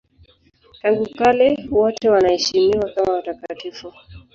Tangu kale wote wanaheshimiwa kama watakatifu.